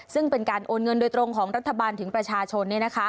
ซึ่งเป็นการโอนเงินโดยตรงของรัฐบาลถึงประชาชน